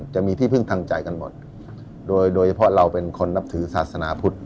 จะมีที่พึ่งทางใจกันหมดโดยเฉพาะเราเป็นคนนับถือศาสนาพุทธ